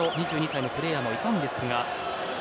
２２歳のプレーヤーもいたんですが。